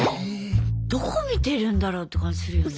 どこ見てるんだろうって感じするよね。